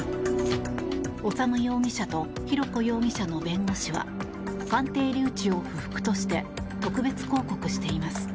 修容疑者と浩子容疑者の弁護士は鑑定留置を不服として特別抗告しています。